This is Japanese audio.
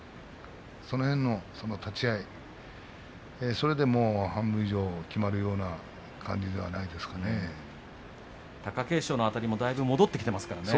その辺の立ち合いそれで半分以上、決まるような貴景勝のあたりもだいぶ戻ってきていますからね。